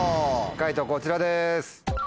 解答こちらです。